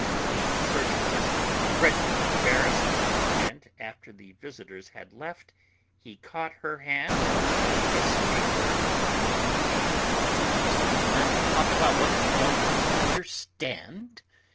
The surgeon was dreadfully embarrassed, and after the visitors had left, he caught her hand and hissed angrily: "Didn't I ask you not to talk about what you don't understand?